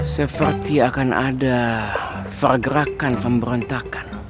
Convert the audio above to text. seperti akan ada pergerakan pemberontakan